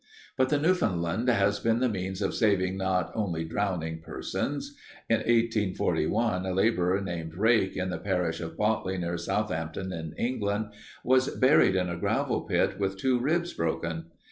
"But the Newfoundland has been the means of saving not merely drowning persons. In 1841 a laborer named Rake in the parish of Botley, near Southampton, in England, was buried in a gravel pit with two ribs broken.